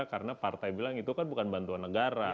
karena partai bilang itu kan bukan bantuan negara